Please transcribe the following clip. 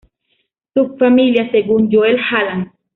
Subfamilias según Joel Hallan.